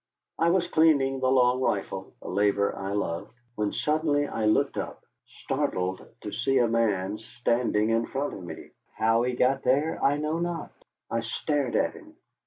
I was cleaning the long rifle, a labor I loved, when suddenly I looked up, startled to see a man standing in front of me. How he got there I know not. I stared at him.